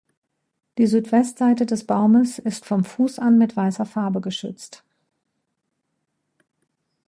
Die Südwestseite des Baumes ist vom Fuß an mit weißer Farbe geschützt.